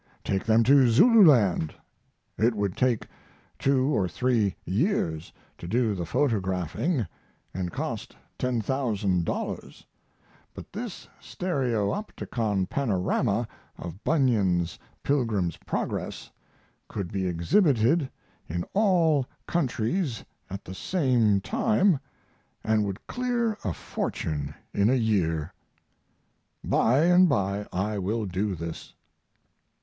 Take them to Zululand. It would take two or three years to do the photographing & cost $10,000; but this stereopticon panorama of Bunyan's Pilgrim's Progress could be exhibited in all countries at the same time & would clear a fortune in a year. By & by I will do this.